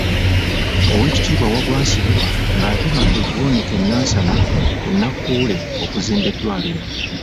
Owekitiibwa Wagwa Nsibirwa ng'atema evvuunike e Nansana ku Nakkuule okuzimba eddwaliro.